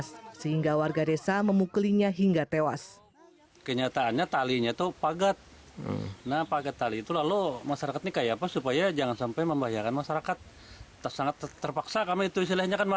sehingga warga desa memukulinya hingga tewas